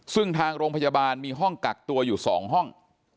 ซึ่งทางโรงพยาบาลมีห้องกักตัวอยู่๒ห้อง